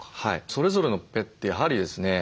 それぞれのペットやはりですね